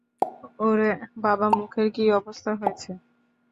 ওরে বাবা, মুখের কী অবস্থা হয়েছে।